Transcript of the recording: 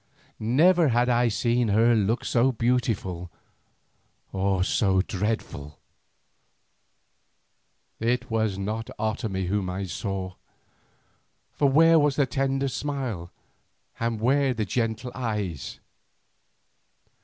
Never had I seen her look so beautiful or so dreadful. It was not Otomie whom I saw, for where was the tender smile and where the gentle eyes?